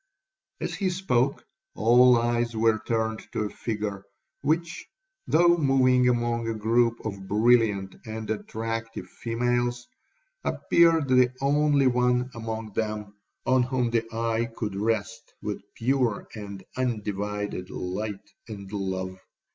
As he spoke, all eyes were turned to a figure, which, though moving among a groupe of brilliant and attractive females, appeared the only one among them on whom the eye could rest with pure and undivided light and love.